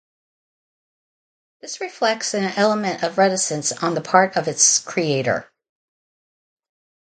This reflects an element of reticence on the part of its creator.